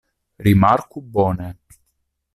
Rimarku bone.